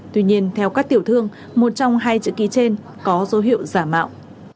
tuy nhiên theo các tiểu thương một trong hai chữ ký trên có dấu hiệu giả mạo